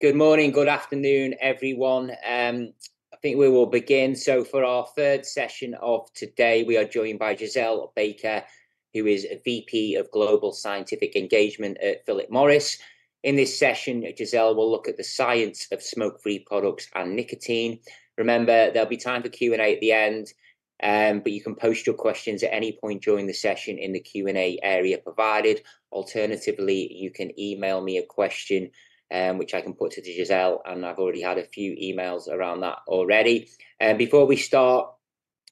Good morning, good afternoon, everyone. I think we will begin. So for our third session of today, we are joined by Giselle Baker, who is a VP of Global Scientific Engagement at Philip Morris. In this session, Giselle will look at the science of smoke-free products and nicotine. Remember, there'll be time for Q&A at the end, but you can post your questions at any point during the session in the Q&A area provided. Alternatively, you can email me a question, which I can put to Giselle, and I've already had a few emails around that already. Before we start,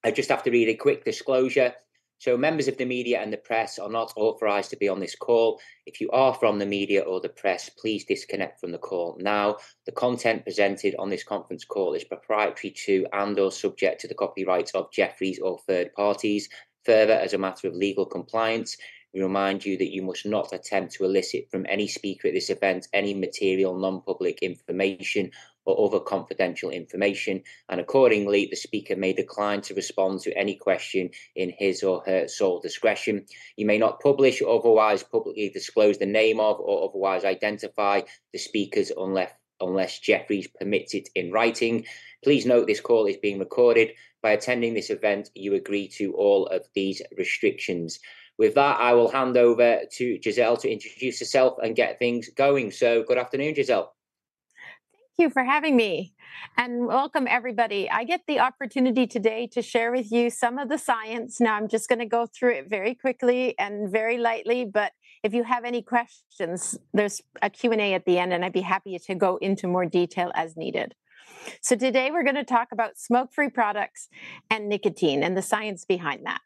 I just have to read a quick disclosure. So members of the media and the press are not authorized to be on this call. If you are from the media or the press, please disconnect from the call now. The content presented on this conference call is proprietary to and/or subject to the copyrights of Jefferies or third parties. Further, as a matter of legal compliance, we remind you that you must not attempt to elicit from any speaker at this event any material, non-public information or other confidential information, and accordingly, the speaker may decline to respond to any question in his or her sole discretion. You may not publish or otherwise publicly disclose the name of or otherwise identify the speakers, unless Jefferies permits it in writing. Please note this call is being recorded. By attending this event, you agree to all of these restrictions. With that, I will hand over to Giselle to introduce herself and get things going. So good afternoon, Giselle. Thank you for having me, and welcome, everybody. I get the opportunity today to share with you some of the science. Now, I'm just gonna go through it very quickly and very lightly, but if you have any questions, there's a Q&A at the end, and I'd be happy to go into more detail as needed. So today, we're gonna talk about smoke-free products and nicotine, and the science behind that.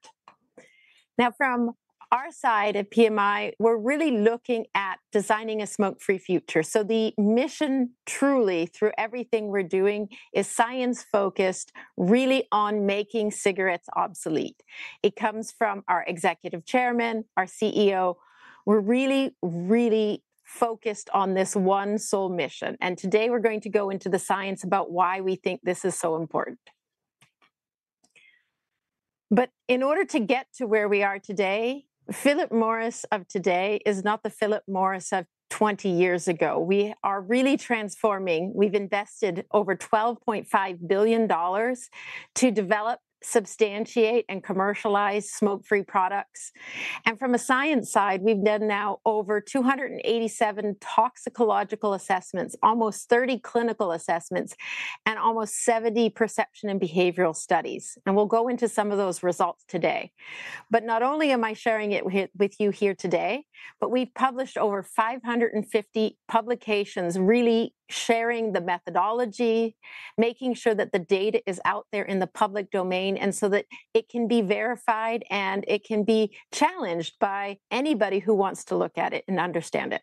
Now, from our side at PMI, we're really looking at designing a smoke-free future. So the mission, truly, through everything we're doing, is science-focused, really on making cigarettes obsolete. It comes from our Executive Chairman, our CEO. We're really, really focused on this one sole mission, and today we're going to go into the science about why we think this is so important. But in order to get to where we are today, Philip Morris of today is not the Philip Morris of 20 years ago. We are really transforming. We've invested over $12.5 billion to develop, substantiate, and commercialize smoke-free products. And from a science side, we've done now over 287 toxicological assessments, almost 30 clinical assessments, and almost 70 perception and behavioral studies, and we'll go into some of those results today. But not only am I sharing it with you here today, but we've published over 550 publications really sharing the methodology, making sure that the data is out there in the public domain, and so that it can be verified, and it can be challenged by anybody who wants to look at it and understand it.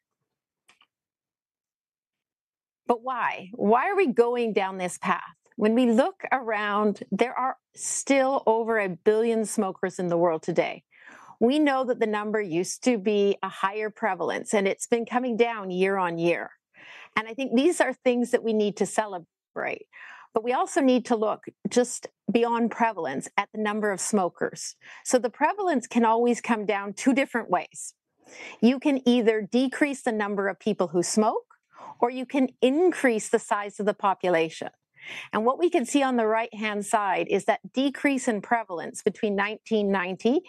But why? Why are we going down this path? When we look around, there are still over a billion smokers in the world today. We know that the number used to be a higher prevalence, and it's been coming down year on year, and I think these are things that we need to celebrate. But we also need to look just beyond prevalence at the number of smokers. So the prevalence can always come down two different ways. You can either decrease the number of people who smoke, or you can increase the size of the population. And what we can see on the right-hand side is that decrease in prevalence between 1990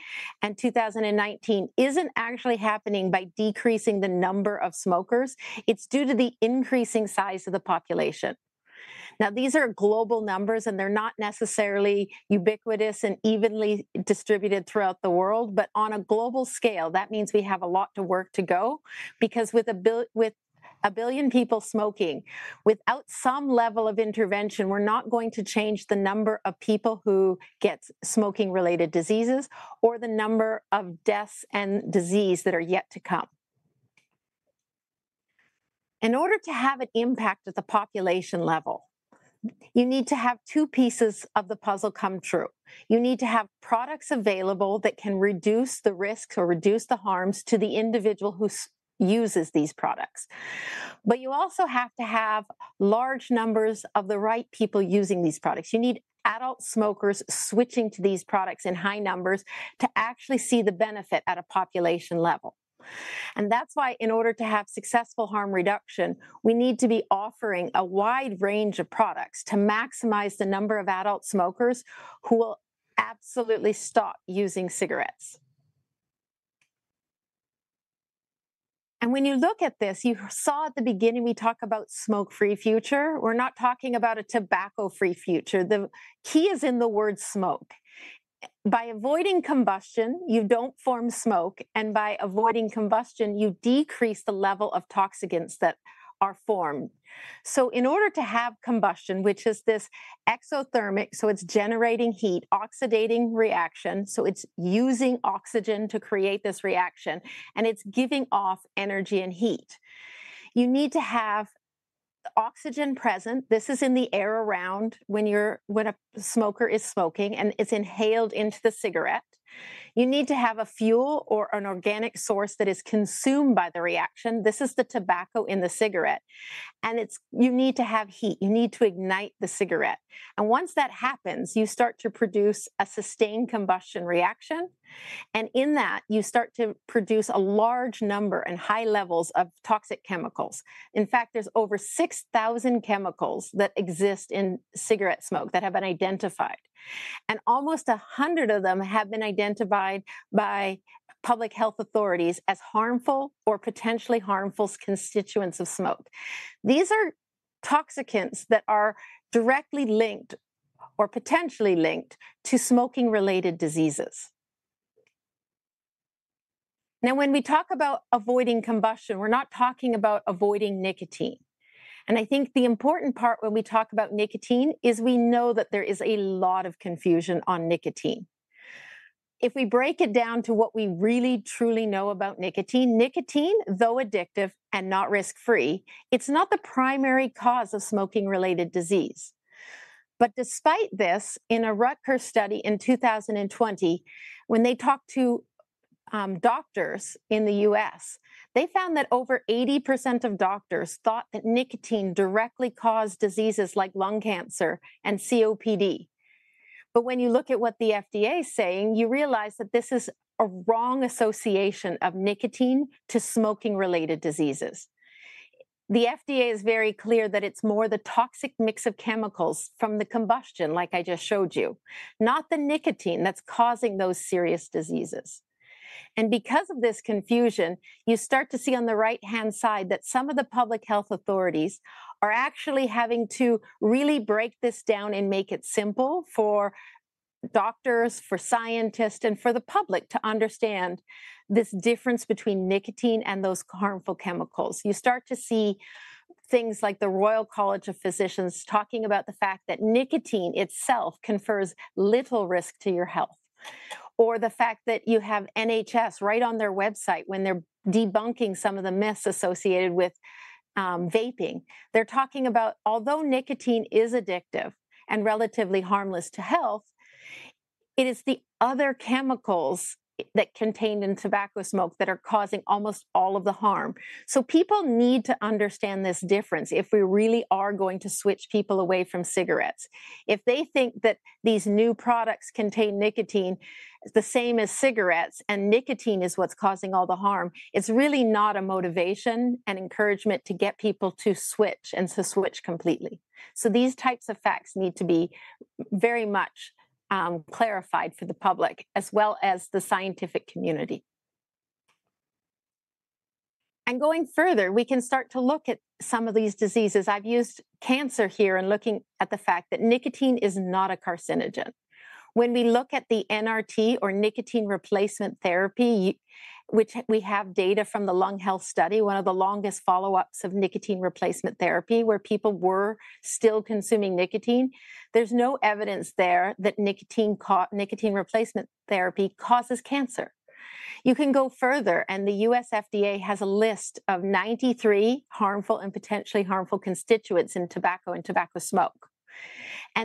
and 2019 isn't actually happening by decreasing the number of smokers. It's due to the increasing size of the population. Now, these are global numbers, and they're not necessarily ubiquitous and evenly distributed throughout the world. But on a global scale, that means we have a lot of work to go because with a billion people smoking, without some level of intervention, we're not going to change the number of people who get smoking-related diseases or the number of deaths and disease that are yet to come. In order to have an impact at the population level, you need to have two pieces of the puzzle come true. You need to have products available that can reduce the risks or reduce the harms to the individual who uses these products. But you also have to have large numbers of the right people using these products. You need adult smokers switching to these products in high numbers to actually see the benefit at a population level. And that's why, in order to have successful harm reduction, we need to be offering a wide range of products to maximize the number of adult smokers who will absolutely stop using cigarettes. When you look at this, you saw at the beginning, we talk about smoke-free future. We're not talking about a tobacco-free future. The key is in the word 'smoke'. By avoiding combustion, you don't form smoke, and by avoiding combustion, you decrease the level of toxicants that are formed. So in order to have combustion, which is this exothermic, so it's generating heat, oxidating reaction, so it's using oxygen to create this reaction, and it's giving off energy and heat, you need to have the oxygen present, this is in the air around when you're, when a smoker is smoking, and it's inhaled into the cigarette. You need to have a fuel or an organic source that is consumed by the reaction. This is the tobacco in the cigarette, and you need to have heat. You need to ignite the cigarette. And once that happens, you start to produce a sustained combustion reaction, and in that, you start to produce a large number and high levels of toxic chemicals. In fact, there's over 6,000 chemicals that exist in cigarette smoke that have been identified, and almost 100 of them have been identified by public health authorities as harmful or potentially harmful constituents of smoke. These are toxicants that are directly linked or potentially linked to smoking-related diseases. Now, when we talk about avoiding combustion, we're not talking about avoiding nicotine, and I think the important part when we talk about nicotine is we know that there is a lot of confusion on nicotine. If we break it down to what we really, truly know about nicotine, nicotine, though addictive and not risk-free, it's not the primary cause of smoking-related disease. But despite this, in a Rutgers study in 2020, when they talked to doctors in the U.S., they found that over 80% of doctors thought that nicotine directly caused diseases like lung cancer and COPD. But when you look at what the FDA is saying, you realize that this is a wrong association of nicotine to smoking-related diseases. The FDA is very clear that it's more the toxic mix of chemicals from the combustion, like I just showed you, not the nicotine that's causing those serious diseases. Because of this confusion, you start to see on the right-hand side that some of the public health authorities are actually having to really break this down and make it simple for doctors, for scientists, and for the public to understand this difference between nicotine and those harmful chemicals. You start to see things like the Royal College of Physicians talking about the fact that nicotine itself confers little risk to your health, or the fact that you have NHS right on their website when they're debunking some of the myths associated with vaping. They're talking about, although nicotine is addictive and relatively harmless to health, it is the other chemicals that contained in tobacco smoke that are causing almost all of the harm. So people need to understand this difference if we really are going to switch people away from cigarettes. If they think that these new products contain nicotine the same as cigarettes, and nicotine is what's causing all the harm, it's really not a motivation and encouragement to get people to switch and to switch completely. So these types of facts need to be very much clarified for the public, as well as the scientific community. And going further, we can start to look at some of these diseases. I've used cancer here in looking at the fact that nicotine is not a carcinogen. When we look at the NRT, or Nicotine Replacement Therapy, which we have data from the Lung Health Study, one of the longest follow-ups of nicotine replacement therapy, where people were still consuming nicotine, there's no evidence there that nicotine replacement therapy causes cancer. You can go further, and the U.S. FDA has a list of 93 harmful and potentially harmful constituents in tobacco and tobacco smoke.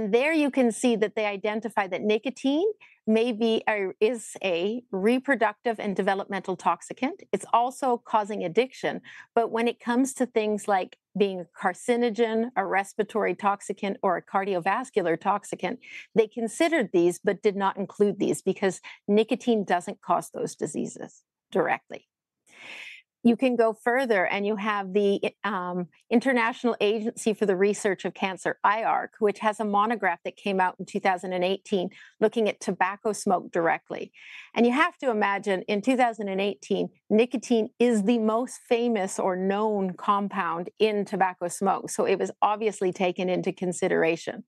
There you can see that they identify that nicotine may be or is a reproductive and developmental toxicant. It's also causing addiction. But when it comes to things like being a carcinogen, a respiratory toxicant, or a cardiovascular toxicant, they considered these but did not include these because nicotine doesn't cause those diseases directly. You can go further, and you have the International Agency for the Research on Cancer, IARC, which has a monograph that came out in 2018 looking at tobacco smoke directly. You have to imagine, in 2018, nicotine is the most famous or known compound in tobacco smoke, so it was obviously taken into consideration.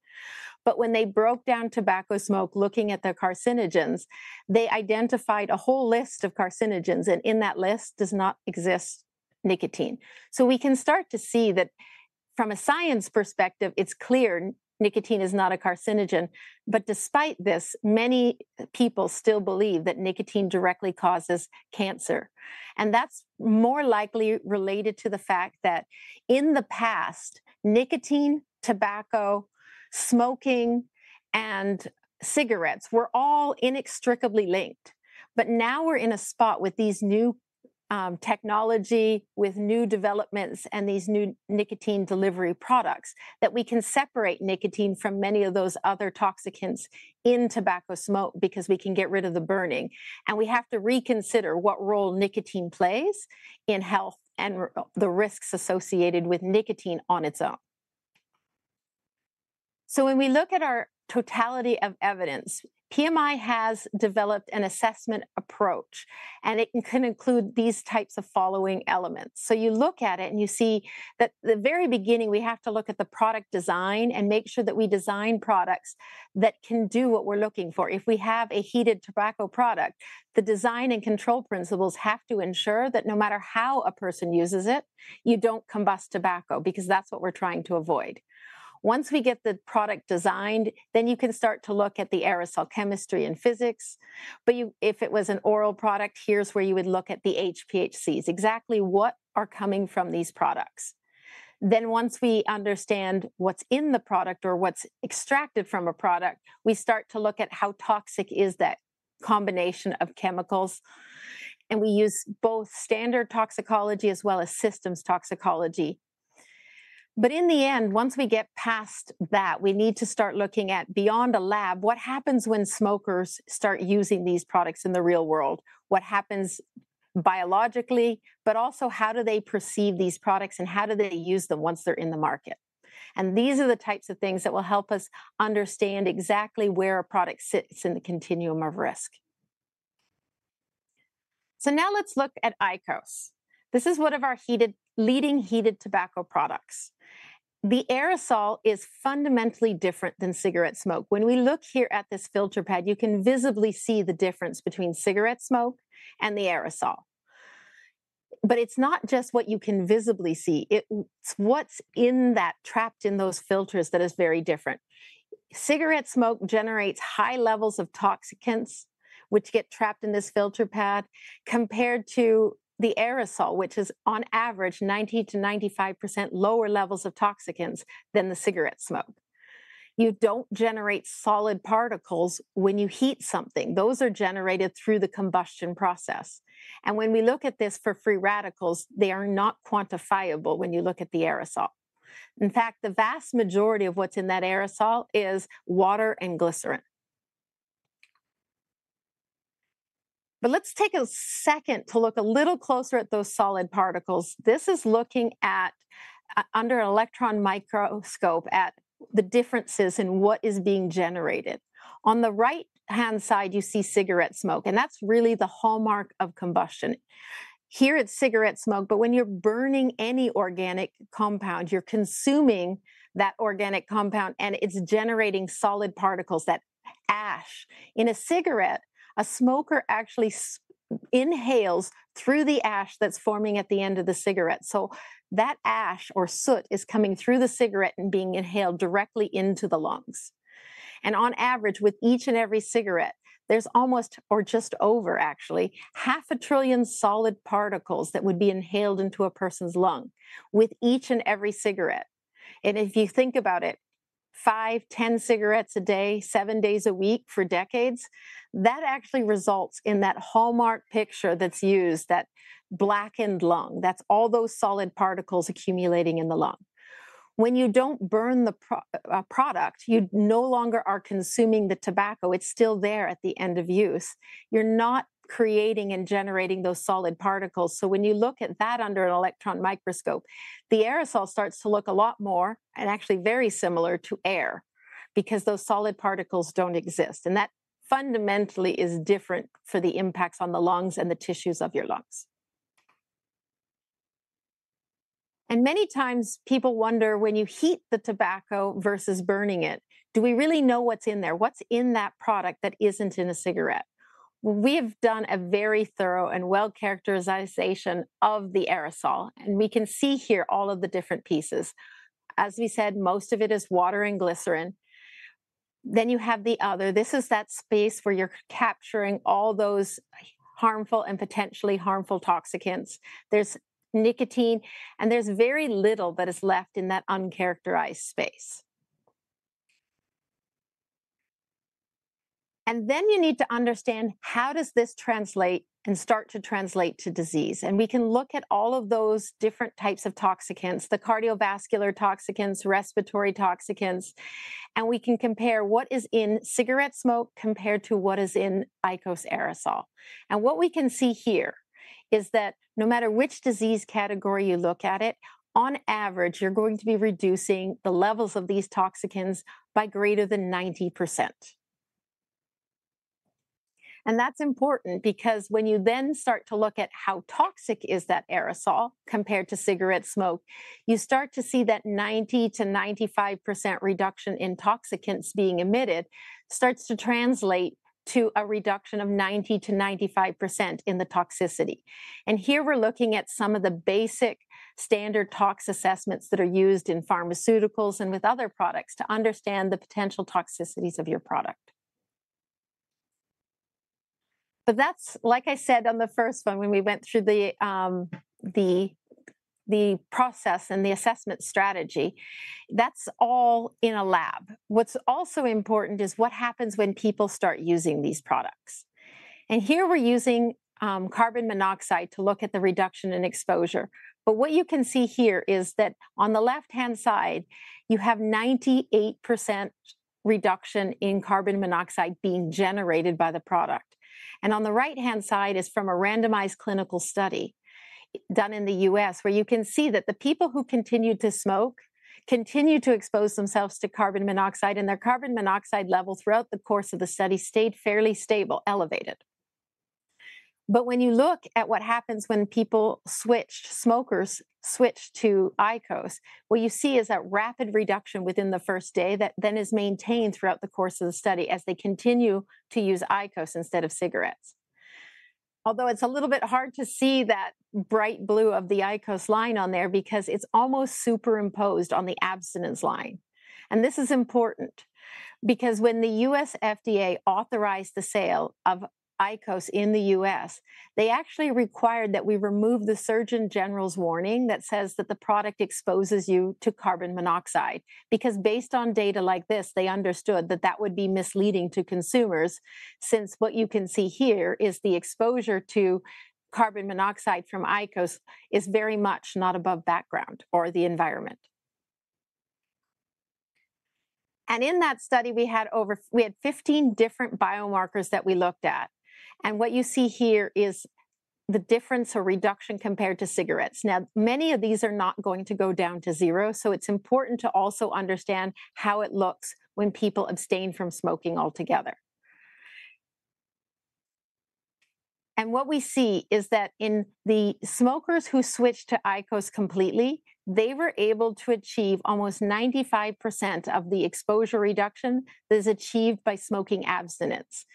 But when they broke down tobacco smoke, looking at the carcinogens, they identified a whole list of carcinogens, and in that list does not exist nicotine. So we can start to see that from a science perspective, it's clear nicotine is not a carcinogen. But despite this, many people still believe that nicotine directly causes cancer, and that's more likely related to the fact that in the past, nicotine, tobacco, smoking, and cigarettes were all inextricably linked. But now we're in a spot with these new technology, with new developments, and these new nicotine delivery products, that we can separate nicotine from many of those other toxicants in tobacco smoke because we can get rid of the burning, and we have to reconsider what role nicotine plays in health and the risks associated with nicotine on its own. So when we look at our totality of evidence, PMI has developed an assessment approach, and it can include these types of following elements. So you look at it, and you see that the very beginning, we have to look at the product design and make sure that we design products that can do what we're looking for. If we have a heated tobacco product, the design and control principles have to ensure that no matter how a person uses it, you don't combust tobacco because that's what we're trying to avoid. Once we get the product designed, then you can start to look at the aerosol chemistry and physics. But if it was an oral product, here's where you would look at the HPHCs, exactly what are coming from these products. Then, once we understand what's in the product or what's extracted from a product, we start to look at how toxic is that combination of chemicals? And we use both standard toxicology as well as systems toxicology. But in the end, once we get past that, we need to start looking at beyond a lab, what happens when smokers start using these products in the real world? What happens biologically, but also how do they perceive these products, and how do they use them once they're in the market? And these are the types of things that will help us understand exactly where a product sits in the continuum of risk. So now let's look at IQOS. This is one of our heated, leading heated tobacco products. The aerosol is fundamentally different than cigarette smoke. When we look here at this filter pad, you can visibly see the difference between cigarette smoke and the aerosol. But it's not just what you can visibly see, it's what's in that, trapped in those filters, that is very different. Cigarette smoke generates high levels of toxicants, which get trapped in this filter pad, compared to the aerosol, which is, on average, 90%-95% lower levels of toxicants than the cigarette smoke. You don't generate solid particles when you heat something. Those are generated through the combustion process. And when we look at this for free radicals, they are not quantifiable when you look at the aerosol. In fact, the vast majority of what's in that aerosol is water and glycerin. But let's take a second to look a little closer at those solid particles. This is looking at under an electron microscope at the differences in what is being generated. On the right-hand side, you see cigarette smoke, and that's really the hallmark of combustion. Here, it's cigarette smoke, but when you're burning any organic compound, you're consuming that organic compound, and it's generating solid particles, that ash. In a cigarette, a smoker actually inhales through the ash that's forming at the end of the cigarette. So that ash or soot is coming through the cigarette and being inhaled directly into the lungs. On average, with each and every cigarette, there's almost, or just over actually, 0.5 trillion solid particles that would be inhaled into a person's lung with each and every cigarette. And if you think about it, five, 10 cigarettes a day, seven days a week for decades, that actually results in that hallmark picture that's used, that blackened lung. That's all those solid particles accumulating in the lung. When you don't burn the product, you no longer are consuming the tobacco. It's still there at the end of use. You're not creating and generating those solid particles. So when you look at that under an electron microscope, the aerosol starts to look a lot more, and actually very similar, to air because those solid particles don't exist, and that fundamentally is different for the impacts on the lungs and the tissues of your lungs. Many times, people wonder, when you heat the tobacco versus burning it, do we really know what's in there? What's in that product that isn't in a cigarette? We've done a very thorough and well-characterized characterization of the aerosol, and we can see here all of the different pieces. As we said, most of it is water and glycerin. Then you have the other. This is that space where you're capturing all those harmful and potentially harmful toxicants. There's nicotine, and there's very little that is left in that uncharacterized space. And then you need to understand, how does this translate and start to translate to disease? And we can look at all of those different types of toxicants, the cardiovascular toxicants, respiratory toxicants, and we can compare what is in cigarette smoke compared to what is in IQOS aerosol. And what we can see here is that no matter which disease category you look at it, on average, you're going to be reducing the levels of these toxicants by greater than 90%. And that's important because when you then start to look at how toxic is that aerosol compared to cigarette smoke, you start to see that 90%-95% reduction in toxicants being emitted starts to translate to a reduction of 90%-95% in the toxicity. And here we're looking at some of the basic standard tox assessments that are used in pharmaceuticals and with other products to understand the potential toxicities of your product. But that's, like I said on the first one, when we went through the process and the assessment strategy, that's all in a lab. What's also important is what happens when people start using these products. And here we're using carbon monoxide to look at the reduction in exposure. What you can see here is that on the left-hand side, you have 98% reduction in carbon monoxide being generated by the product. On the right-hand side is from a randomized clinical study done in the U.S., where you can see that the people who continued to smoke continued to expose themselves to carbon monoxide, and their carbon monoxide level throughout the course of the study stayed fairly stable, elevated. But when you look at what happens when people switched, smokers switched to IQOS, what you see is that rapid reduction within the first day that then is maintained throughout the course of the study as they continue to use IQOS instead of cigarettes. Although it's a little bit hard to see that bright blue of the IQOS line on there because it's almost superimposed on the abstinence line. And this is important because when the U.S. FDA authorized the sale of IQOS in the U.S., they actually required that we remove the Surgeon General's warning that says that the product exposes you to carbon monoxide. Because based on data like this, they understood that that would be misleading to consumers, since what you can see here is the exposure to carbon monoxide from IQOS is very much not above background or the environment... and in that study, we had 15 different biomarkers that we looked at, and what you see here is the difference or reduction compared to cigarettes. Now, many of these are not going to go down to zero, so it's important to also understand how it looks when people abstain from smoking altogether. What we see is that in the smokers who switched to IQOS completely, they were able to achieve almost 95% of the exposure reduction that is achieved by smoking abstinence,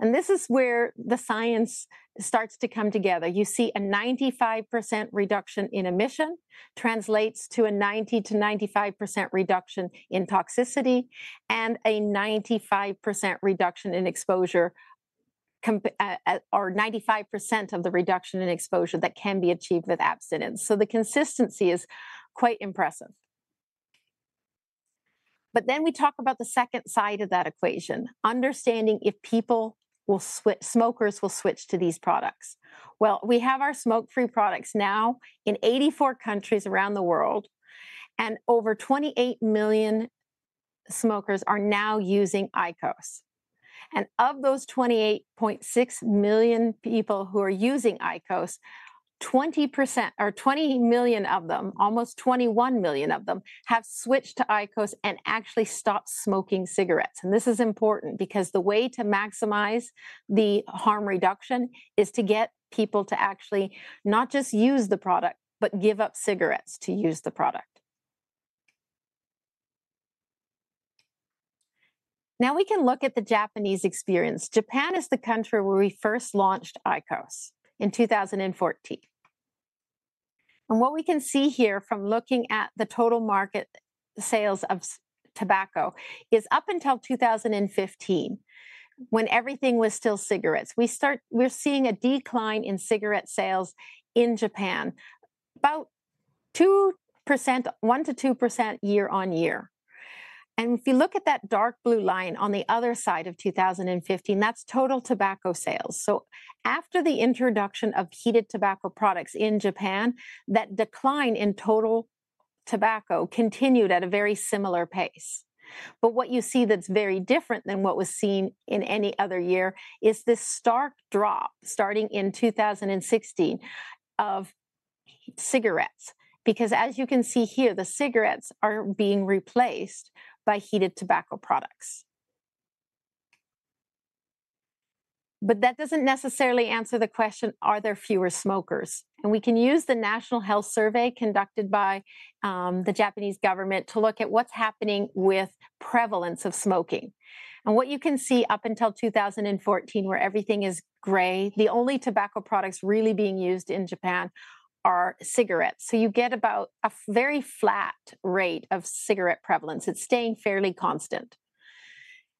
and this is where the science starts to come together. You see a 95% reduction in emission, translates to a 90%-95% reduction in toxicity, and a 95% reduction in exposure comp, or 95% of the reduction in exposure that can be achieved with abstinence, so the consistency is quite impressive. But then we talk about the second side of that equation, understanding if people will switch, smokers will switch to these products. Well, we have our smoke-free products now in 84 countries around the world, and over 28 million smokers are now using IQOS. Of those 28.6 million people who are using IQOS, 20% or 20 million of them, almost 21 million of them, have switched to IQOS and actually stopped smoking cigarettes. This is important, because the way to maximize the harm reduction is to get people to actually not just use the product, but give up cigarettes to use the product. Now we can look at the Japanese experience. Japan is the country where we first launched IQOS in 2014. What we can see here from looking at the total market sales of smoking tobacco is up until 2015, when everything was still cigarettes, we're seeing a decline in cigarette sales in Japan, about 2%, 1%-2% year-on-year. If you look at that dark blue line on the other side of 2015, that's total tobacco sales. So after the introduction of heated tobacco products in Japan, that decline in total tobacco continued at a very similar pace. But what you see that's very different than what was seen in any other year is this stark drop, starting in 2016, of cigarettes, because as you can see here, the cigarettes are being replaced by heated tobacco products. But that doesn't necessarily answer the question, are there fewer smokers? And we can use the National Health Survey conducted by the Japanese government to look at what's happening with prevalence of smoking. And what you can see up until 2014, where everything is gray, the only tobacco products really being used in Japan are cigarettes. So you get about a very flat rate of cigarette prevalence. It's staying fairly constant.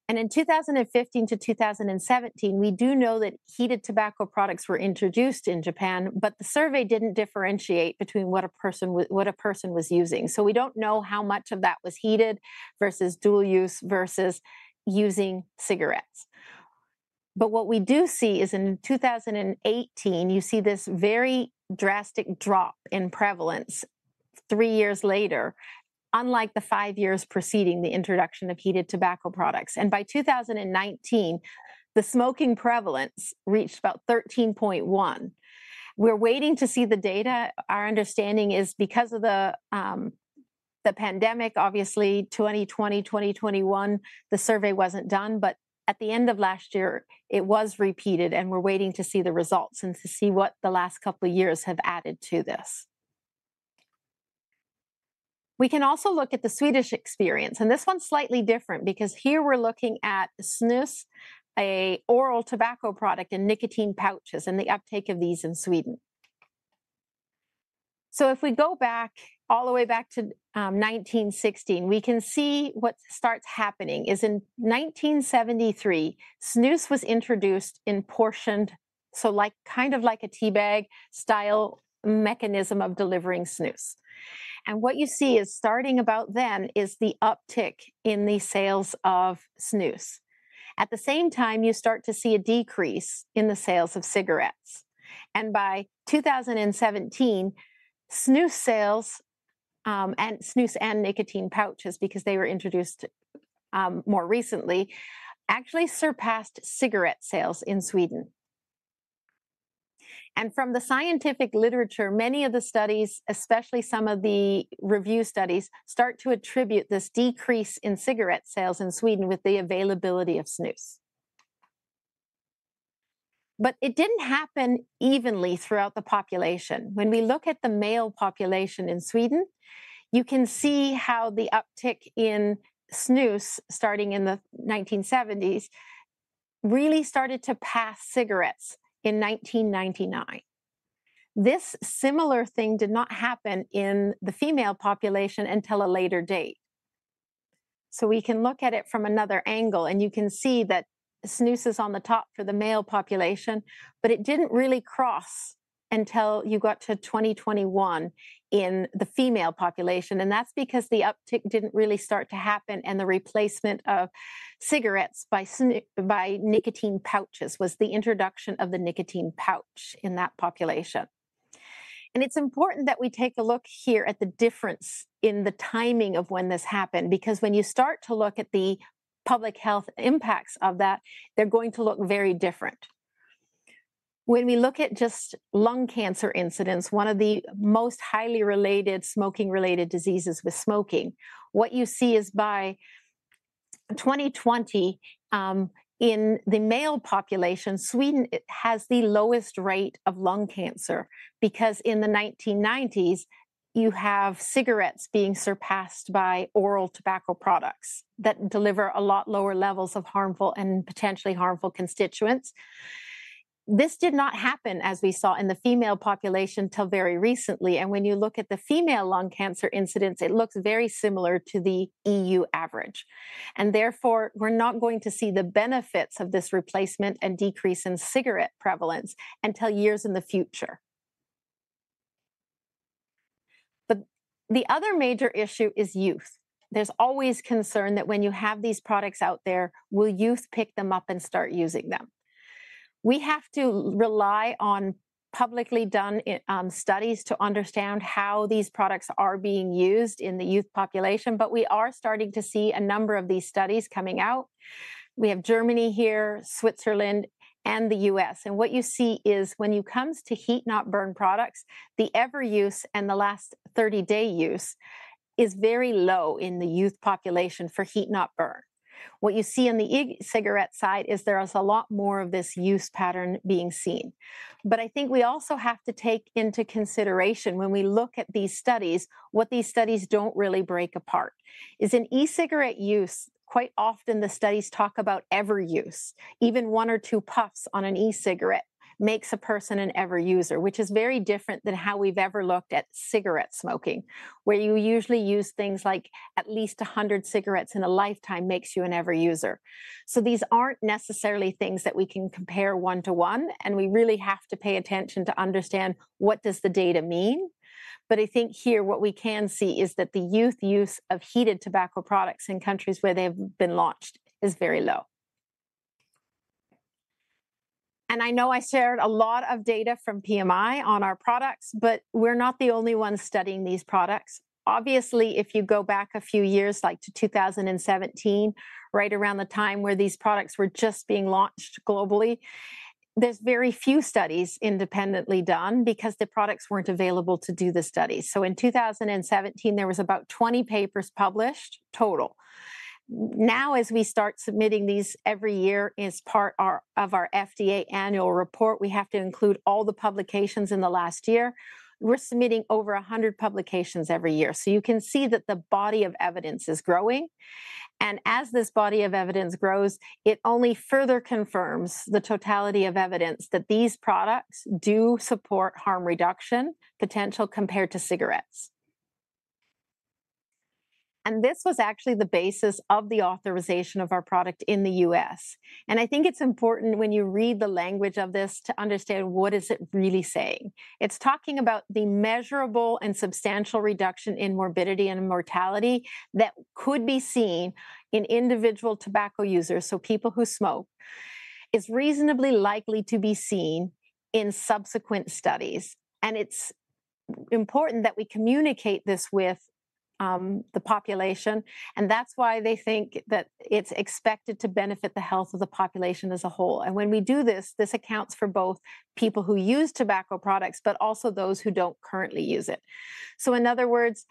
In 2015-2017, we do know that heated tobacco products were introduced in Japan, but the survey didn't differentiate between what a person was using. So we don't know how much of that was heated versus dual use versus using cigarettes. But what we do see is in 2018, you see this very drastic drop in prevalence three years later, unlike the five years preceding the introduction of heated tobacco products. And by 2019, the smoking prevalence reached about 13.1. We're waiting to see the data. Our understanding is, because of the pandemic, obviously, 2020, 2021, the survey wasn't done. But at the end of last year, it was repeated, and we're waiting to see the results and to see what the last couple of years have added to this. We can also look at the Swedish experience, and this one's slightly different because here we're looking at snus, an oral tobacco product, and nicotine pouches, and the uptake of these in Sweden. So if we go back, all the way back to 1916, we can see what starts happening is, in 1973, snus was introduced in portioned, so like, kind of like a teabag-style mechanism of delivering snus. And what you see is starting about then is the uptick in the sales of snus. At the same time, you start to see a decrease in the sales of cigarettes, and by 2017, snus sales, and snus and nicotine pouches, because they were introduced more recently, actually surpassed cigarette sales in Sweden. From the scientific literature, many of the studies, especially some of the review studies, start to attribute this decrease in cigarette sales in Sweden with the availability of snus. But it didn't happen evenly throughout the population. When we look at the male population in Sweden, you can see how the uptick in snus, starting in the 1970s, really started to pass cigarettes in 1999. This similar thing did not happen in the female population until a later date. We can look at it from another angle, and you can see that snus is on the top for the male population, but it didn't really cross until you got to 2021 in the female population, and that's because the uptick didn't really start to happen, and the replacement of cigarettes by nicotine pouches was the introduction of the nicotine pouch in that population. It's important that we take a look here at the difference in the timing of when this happened, because when you start to look at the public health impacts of that, they're going to look very different. When we look at just lung cancer incidence, one of the most highly related smoking-related diseases with smoking, what you see is by 2020, in the male population, Sweden has the lowest rate of lung cancer because in the 1990s, you have cigarettes being surpassed by oral tobacco products that deliver a lot lower levels of harmful and potentially harmful constituents. This did not happen, as we saw in the female population, till very recently, and when you look at the female lung cancer incidence, it looks very similar to the EU average. Therefore, we're not going to see the benefits of this replacement and decrease in cigarette prevalence until years in the future. But the other major issue is youth. There's always concern that when you have these products out there, will youth pick them up and start using them? We have to rely on publicly done studies to understand how these products are being used in the youth population, but we are starting to see a number of these studies coming out. We have Germany here, Switzerland, and the U.S, and what you see is when it comes to heat-not-burn products, the ever use and the last 30-day use is very low in the youth population for heat-not-burn. What you see on the e-cigarette side is there is a lot more of this use pattern being seen. But I think we also have to take into consideration when we look at these studies, what these studies don't really break apart is in e-cigarette use, quite often the studies talk about ever use. Even one or two puffs on an e-cigarette makes a person an ever user, which is very different than how we've ever looked at cigarette smoking, where you usually use things like at least 100 cigarettes in a lifetime makes you an ever user. So these aren't necessarily things that we can compare one to one, and we really have to pay attention to understand what does the data mean. But I think here what we can see is that the youth use of heated tobacco products in countries where they have been launched is very low. And I know I shared a lot of data from PMI on our products, but we're not the only ones studying these products. Obviously, if you go back a few years, like to 2017, right around the time where these products were just being launched globally, there's very few studies independently done because the products weren't available to do the studies. So in 2017, there was about 20 papers published total. Now, as we start submitting these every year as part of our FDA annual report, we have to include all the publications in the last year. We're submitting over 100 publications every year. So you can see that the body of evidence is growing, and as this body of evidence grows, it only further confirms the totality of evidence that these products do support harm reduction potential compared to cigarettes. This was actually the basis of the authorization of our product in the U.S., and I think it's important when you read the language of this to understand what is it really saying. It's talking about the measurable and substantial reduction in morbidity and mortality that could be seen in individual tobacco users, so people who smoke. It's reasonably likely to be seen in subsequent studies, and it's important that we communicate this with the population, and that's why they think that it's expected to benefit the health of the population as a whole. When we do this, this accounts for both people who use tobacco products, but also those who don't currently use it. So in other words,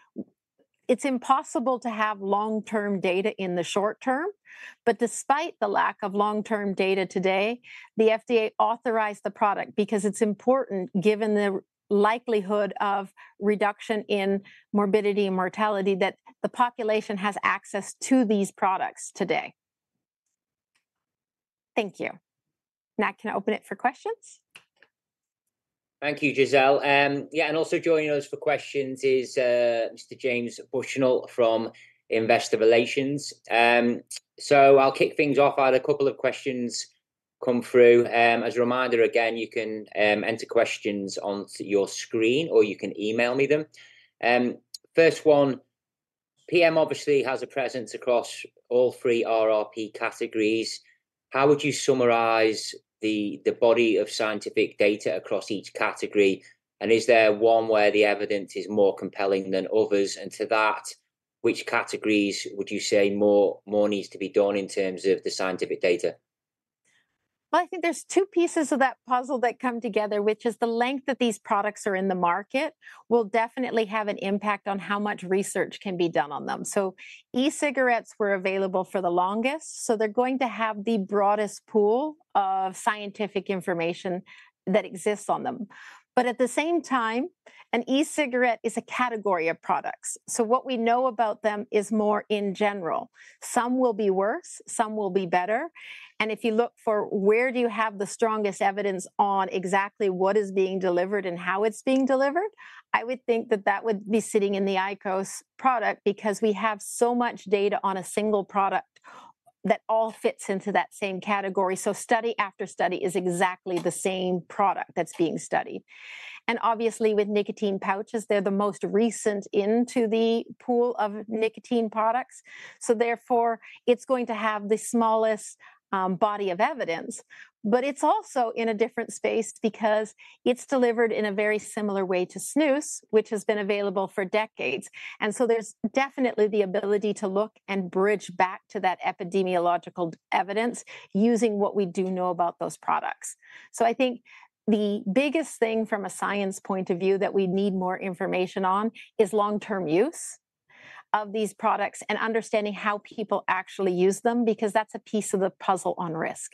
it's impossible to have long-term data in the short term, but despite the lack of long-term data today, the FDA authorized the product because it's important, given the likelihood of reduction in morbidity and mortality, that the population has access to these products today. Thank you. Now, can I open it for questions? Thank you, Giselle. Yeah, and also joining us for questions is Mr. James Bushnell from Investor Relations. So I'll kick things off. I had a couple of questions come through. As a reminder, again, you can enter questions onto your screen, or you can email me them. First one, PM obviously has a presence across all three RRP categories. How would you summarize the body of scientific data across each category, and is there one where the evidence is more compelling than others? And to that, which categories would you say more needs to be done in terms of the scientific data? Well, I think there's two pieces of that puzzle that come together, which is the length that these products are in the market will definitely have an impact on how much research can be done on them. So e-cigarettes were available for the longest, so they're going to have the broadest pool of scientific information that exists on them. But at the same time, an e-cigarette is a category of products, so what we know about them is more in general. Some will be worse, some will be better, and if you look for where do you have the strongest evidence on exactly what is being delivered and how it's being delivered, I would think that that would be sitting in the IQOS product because we have so much data on a single product that all fits into that same category. Study after study is exactly the same product that's being studied. Obviously, with nicotine pouches, they're the most recent into the pool of nicotine products, so therefore, it's going to have the smallest body of evidence. But it's also in a different space because it's delivered in a very similar way to snus, which has been available for decades. There's definitely the ability to look and bridge back to that epidemiological evidence using what we do know about those products. I think the biggest thing from a science point of view that we need more information on is long-term use of these products and understanding how people actually use them, because that's a piece of the puzzle on risk.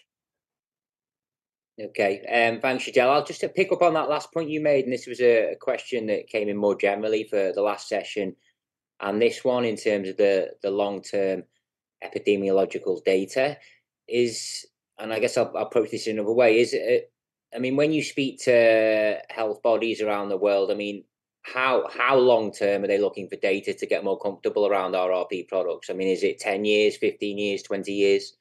Okay, thanks, Giselle. Just to pick up on that last point you made, and this was a question that came in more generally for the last session, and this one in terms of the long-term epidemiological data is... And I guess I'll approach this in another way. I mean, when you speak to health bodies around the world, I mean, how long term are they looking for data to get more comfortable around RRP products? I mean, is it 10 years, 15 years, 20 years?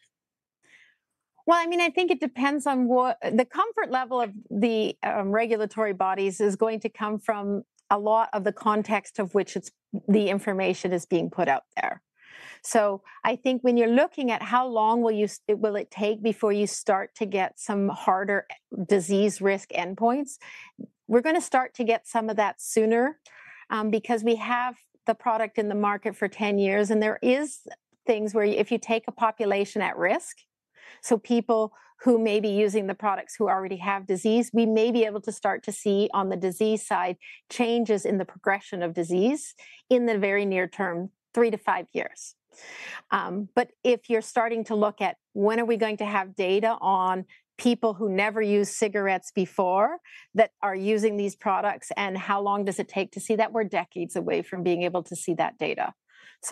Well, I mean, I think it depends on what the comfort level of the regulatory bodies is going to come from a lot of the context of which it's the information is being put out there. So I think when you're looking at how long will you, will it take before you start to get some harder disease risk endpoints, we're gonna start to get some of that sooner, because we have the product in the market for 10 years, and there is things where if you take a population at risk, so people who may be using the products who already have disease, we may be able to start to see on the disease side, changes in the progression of disease in the very near term, three-five years. But if you're starting to look at, when are we going to have data on people who never used cigarettes before, that are using these products, and how long does it take to see that? We're decades away from being able to see that data.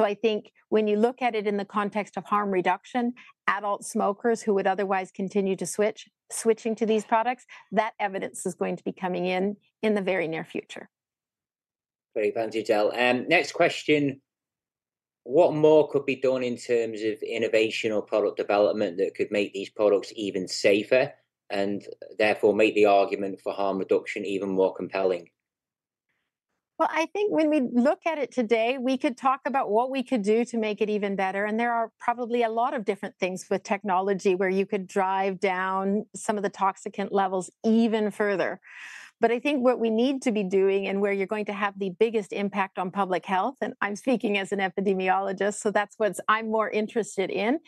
I think when you look at it in the context of harm reduction, adult smokers who would otherwise continue to switch, switching to these products, that evidence is going to be coming in in the very near future. Great. Thanks, Giselle. Next question: What more could be done in terms of innovation or product development that could make these products even safer, and therefore, make the argument for harm reduction even more compelling? Well, I think when we look at it today, we could talk about what we could do to make it even better, and there are probably a lot of different things with technology, where you could drive down some of the toxicant levels even further. But I think what we need to be doing and where you're going to have the biggest impact on public health, and I'm speaking as an epidemiologist, so that's what I'm more interested in,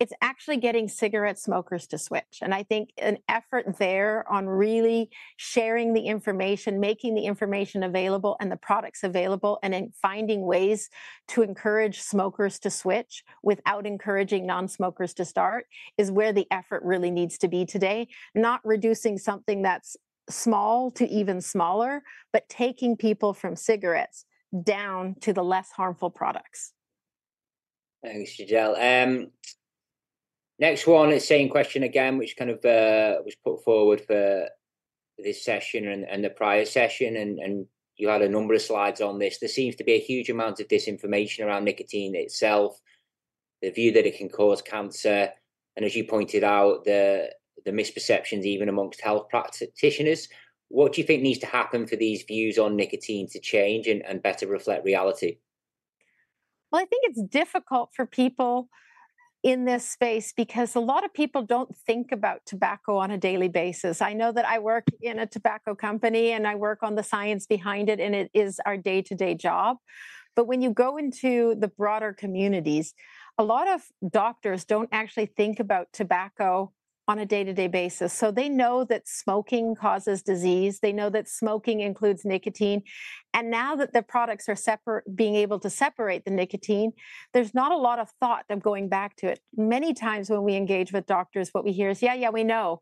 it's actually getting cigarette smokers to switch. And I think an effort there on really sharing the information, making the information available, and the products available, and in finding ways to encourage smokers to switch without encouraging non-smokers to start, is where the effort really needs to be today. Not reducing something that's small to even smaller, but taking people from cigarettes down to the less harmful products. Thanks, Giselle. Next one is same question again, which kind of was put forward for this session and the prior session, and you had a number of slides on this. There seems to be a huge amount of disinformation around nicotine itself, the view that it can cause cancer, and as you pointed out, the misperceptions even amongst health practitioners. What do you think needs to happen for these views on nicotine to change and better reflect reality? Well, I think it's difficult for people in this space because a lot of people don't think about tobacco on a daily basis. I know that I work in a tobacco company, and I work on the science behind it, and it is our day-to-day job. But when you go into the broader communities, a lot of doctors don't actually think about tobacco on a day-to-day basis. So they know that smoking causes disease, they know that smoking includes nicotine, and now that the products are being able to separate the nicotine, there's not a lot of thought of going back to it. Many times, when we engage with doctors, what we hear is, "Yeah, yeah, we know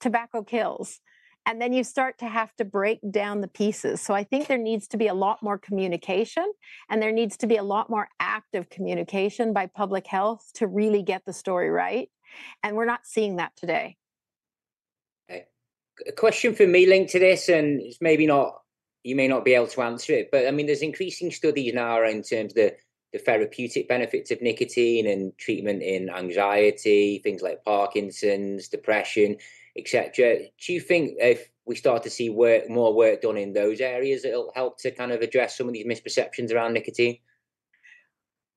tobacco kills." And then you start to have to break down the pieces. I think there needs to be a lot more communication, and there needs to be a lot more active communication by public health to really get the story right, and we're not seeing that today. Okay. A question from me linked to this, and it's maybe not... You may not be able to answer it, but, I mean, there's increasing studies now around in terms of the, the therapeutic benefits of nicotine and treatment in anxiety, things like Parkinson's, depression, et cetera. Do you think if we start to see work, more work done in those areas, it'll help to kind of address some of these misperceptions around nicotine?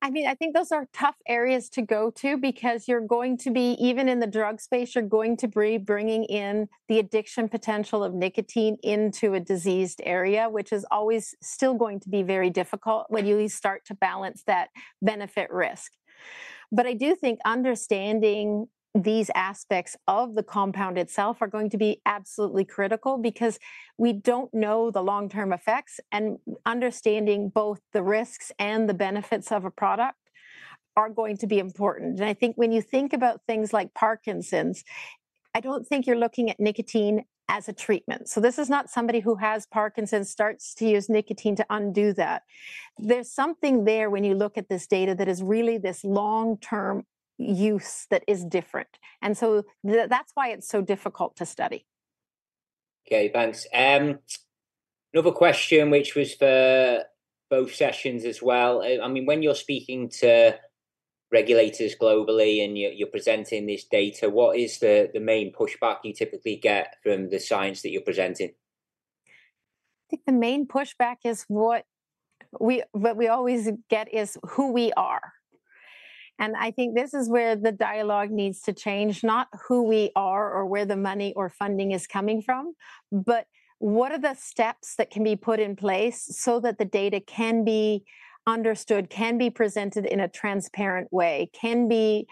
I mean, I think those are tough areas to go to because you're going to be, even in the drug space, you're going to be bringing in the addiction potential of nicotine into a diseased area, which is always still going to be very difficult when you start to balance that benefit-risk. But I do think understanding these aspects of the compound itself are going to be absolutely critical, because we don't know the long-term effects, and understanding both the risks and the benefits of a product are going to be important. And I think when you think about things like Parkinson's, I don't think you're looking at nicotine as a treatment. So this is not somebody who has Parkinson's starts to use nicotine to undo that. There's something there when you look at this data that is really this long-term use that is different, and so that's why it's so difficult to study. Okay, thanks. Another question, which was for both sessions as well. I mean, when you're speaking to regulators globally, and you're presenting this data, what is the main pushback you typically get from the science that you're presenting? I think the main pushback is what we, what we always get is who we are, and I think this is where the dialogue needs to change, not who we are or where the money or funding is coming from, but what are the steps that can be put in place so that the data can be understood, can be presented in a transparent way? Can be,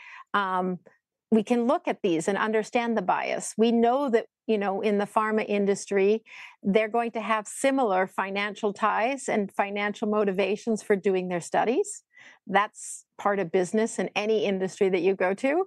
we can look at these and understand the bias. We know that, you know, in the pharma industry, they're going to have similar financial ties and financial motivations for doing their studies. That's part of business in any industry that you go to.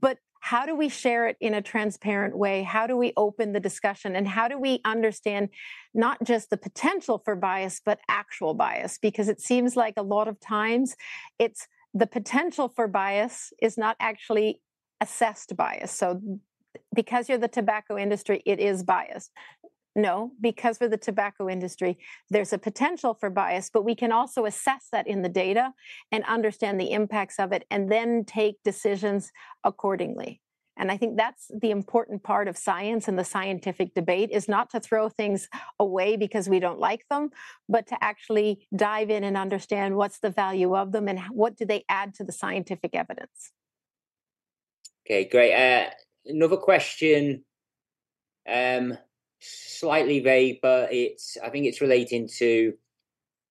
But how do we share it in a transparent way? How do we open the discussion? And how do we understand not just the potential for bias but actual bias? Because it seems like a lot of times, it's the potential for bias is not actually assessed bias. So because you're the tobacco industry, it is biased. No, because we're the tobacco industry, there's a potential for bias, but we can also assess that in the data and understand the impacts of it, and then take decisions accordingly. And I think that's the important part of science and the scientific debate, is not to throw things away because we don't like them, but to actually dive in and understand what's the value of them and what do they add to the scientific evidence. Okay, great. Another question, slightly vague, but it's, I think it's relating to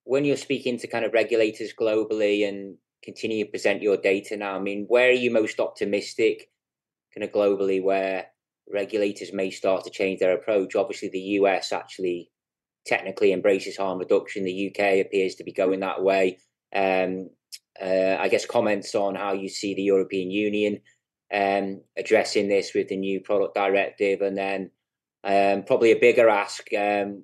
when you're speaking to kind of regulators globally and continue to present your data now, I mean, where are you most optimistic, kind of globally, where regulators may start to change their approach? Obviously, the U.S. actually technically embraces harm reduction. The U.K. appears to be going that way. I guess comments on how you see the European Union addressing this with the new product directive, and then probably a bigger ask,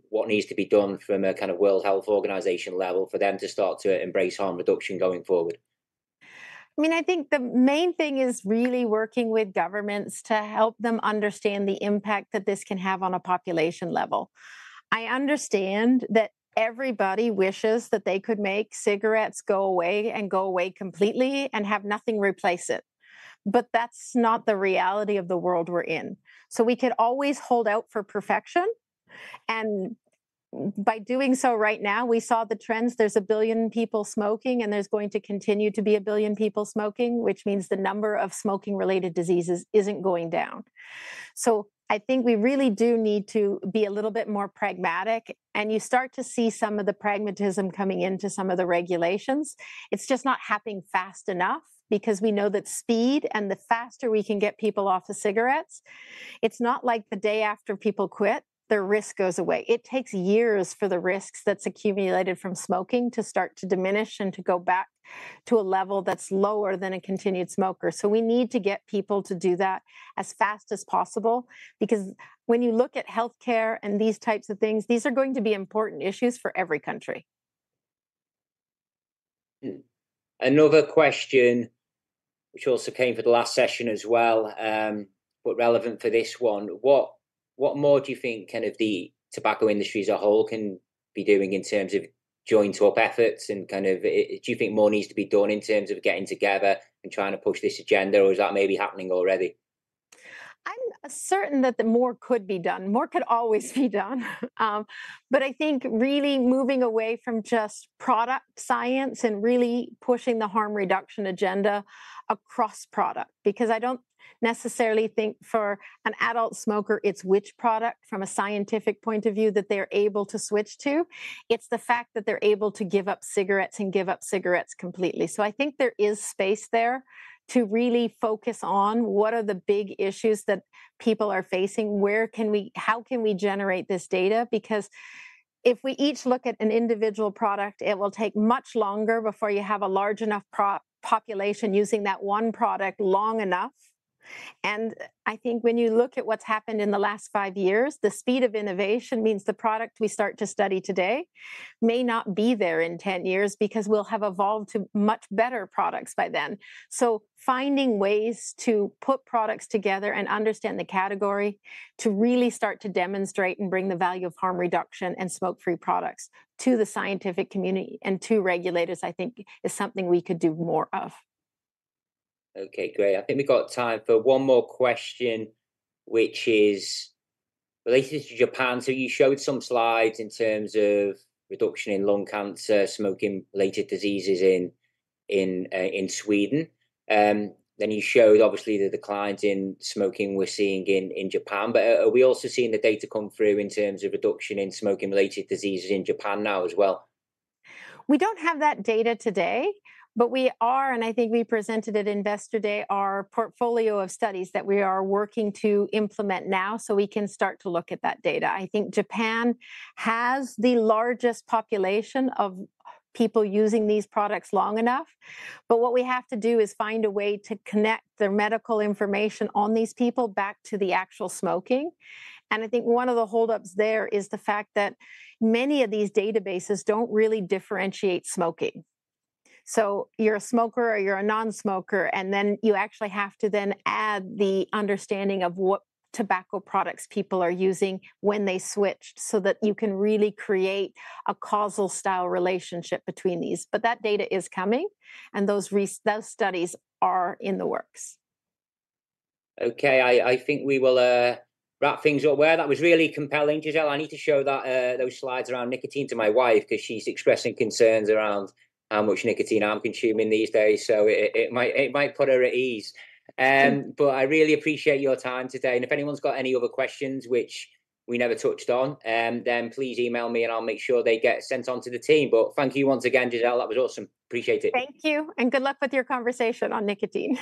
what needs to be done from a kind of World Health Organization level for them to start to embrace harm reduction going forward? I mean, I think the main thing is really working with governments to help them understand the impact that this can have on a population level. I understand that everybody wishes that they could make cigarettes go away and go away completely and have nothing replace it, but that's not the reality of the world we're in. So we could always hold out for perfection, and by doing so right now, we saw the trends. There's a billion people smoking, and there's going to continue to be a billion people smoking, which means the number of smoking-related diseases isn't going down. So I think we really do need to be a little bit more pragmatic, and you start to see some of the pragmatism coming into some of the regulations. It's just not happening fast enough because we know that speed and the faster we can get people off the cigarettes, it's not like the day after people quit, their risk goes away. It takes years for the risks that's accumulated from smoking to start to diminish and to go back to a level that's lower than a continued smoker. So we need to get people to do that as fast as possible because when you look at healthcare and these types of things, these are going to be important issues for every country. Another question, which also came for the last session as well, but relevant for this one: What more do you think kind of the tobacco industry as a whole can be doing in terms of joined-up efforts and kind of... Do you think more needs to be done in terms of getting together and trying to push this agenda, or is that maybe happening already? I'm certain that more could be done. More could always be done. But I think really moving away from just product science and really pushing the harm reduction agenda across product because I don't necessarily think for an adult smoker, it's which product, from a scientific point of view, that they're able to switch to. It's the fact that they're able to give up cigarettes and give up cigarettes completely. So I think there is space there to really focus on what are the big issues that people are facing, how can we generate this data? Because if we each look at an individual product, it will take much longer before you have a large enough population using that one product long enough. I think when you look at what's happened in the last five years, the speed of innovation means the product we start to study today may not be there in 10 years because we'll have evolved to much better products by then. So finding ways to put products together and understand the category, to really start to demonstrate and bring the value of harm reduction and smoke-free products to the scientific community and to regulators, I think is something we could do more of. Okay, great. I think we got time for one more question, which is related to Japan. So you showed some slides in terms of reduction in lung cancer, smoking-related diseases in Sweden. Then you showed, obviously, the declines in smoking we're seeing in Japan. But, are we also seeing the data come through in terms of reduction in smoking-related diseases in Japan now as well? We don't have that data today, but we are, and I think we presented at Investor Day our portfolio of studies that we are working to implement now, so we can start to look at that data. I think Japan has the largest population of people using these products long enough, but what we have to do is find a way to connect the medical information on these people back to the actual smoking. I think one of the holdups there is the fact that many of these databases don't really differentiate smoking. So you're a smoker or you're a non-smoker, and then you actually have to then add the understanding of what tobacco products people are using when they switched, so that you can really create a causal style relationship between these. But that data is coming, and those studies are in the works. Okay, I think we will wrap things up there. That was really compelling, Giselle. I need to show that those slides around nicotine to my wife because she's expressing concerns around how much nicotine I'm consuming these days, so it might put her at ease. But I really appreciate your time today, and if anyone's got any other questions, which we never touched on, then please email me, and I'll make sure they get sent on to the team. But thank you once again, Giselle. That was awesome. Appreciate it. Thank you, and good luck with your conversation on nicotine.